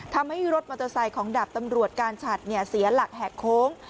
ทำให้รถมอเตอร์ไซค์ของดาบตำรวจการฉัดเสียหลักแหกโค้ง